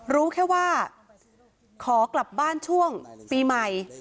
รู้แค่ว่าขอกลับบ้านช่วงปีใหม่